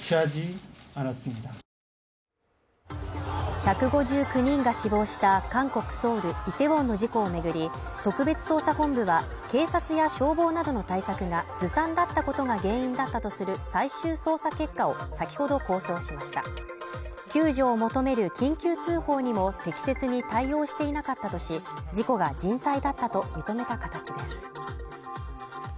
１５９人が死亡した韓国ソウルイテウォンの事故を巡り特別捜査本部は警察や消防などの対策がずさんだったことが原因だったとする最終捜査結果を先ほど公表しました救助を求める緊急通報にも適切に対応していなかったとし事故が人災だったと認めた形です